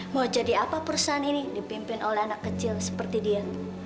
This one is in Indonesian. mau jadi apa perusahaan ini dipimpin oleh anak kecil seperti dia